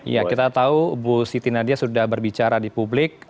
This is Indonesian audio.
ya kita tahu bu siti nadia sudah berbicara di publik